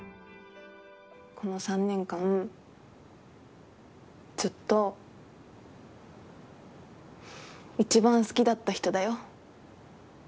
この３年間ずっと一番好きだった人だよ。